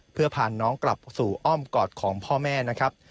เพื่อพาน้องกลับสู่อ้อมกอดของพ่อแม่นะครับ